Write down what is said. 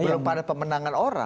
belum pada pemenangan orang